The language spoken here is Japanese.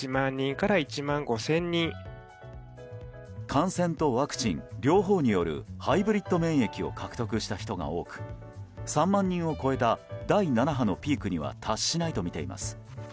感染とワクチン、両方によるハイブリッド免疫を獲得した人が多く３万人を超えた第７波のピークには達しないとみています。